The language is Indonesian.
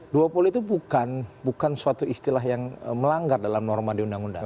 duopol itu bukan suatu istilah yang melanggar dalam norma di undang undang